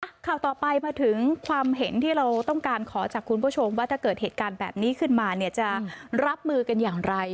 ข่าวต่อไปมาถึงความเห็นที่เราต้องการขอจากคุณผู้ชมว่าถ้าเกิดเหตุการณ์แบบนี้ขึ้นมาเนี่ยจะรับมือกันอย่างไร